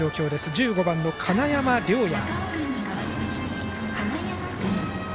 １５番の金山涼矢。